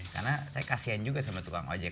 karena saya kasian juga sama tukang ojek